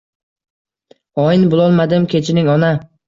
Hoin bulolmadim kechiring ona